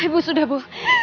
ibu sudah bu